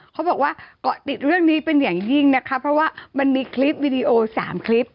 เขาบอกว่าเกาะติดเรื่องนี้เป็นอย่างยิ่งนะคะเพราะว่ามันมีคลิปวิดีโอ๓คลิป